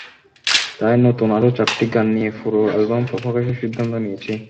তাই নতুন আরও চারটি গান নিয়ে পুরো অ্যালবাম প্রকাশের সিদ্ধান্ত নিয়েছি।